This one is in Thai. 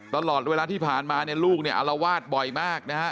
ตลอดเวลาที่ผ่านมาเนี่ยลูกเนี่ยอารวาสบ่อยมากนะฮะ